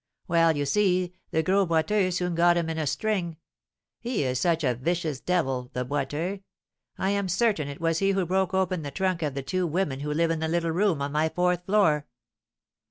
Well, you see, the Gros Boiteux soon got him in a string; he is such a vicious devil, the Boiteux! I am certain it was he who broke open the trunk of the two women who live in the little room on my fourth floor."